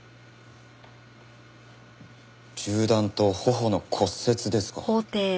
銃弾と頬の骨折ですか。